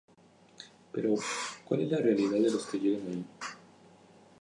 Pero ¿cuál es la realidad de los que llegan allí?